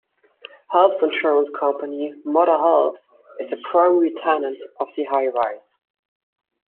Health insurance company Moda Health is the primary tenant of the high-rise.